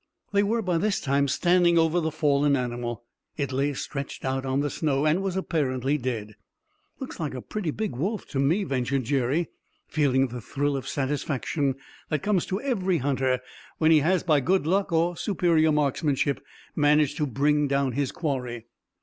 They were by this time standing over the fallen animal. It lay stretched out on the snow, and was apparently dead. "Looks like a pretty big wolf to me," ventured Jerry, feeling the thrill of satisfaction that comes to every hunter when he has by good luck or superior marksmanship managed to bring down his quarry.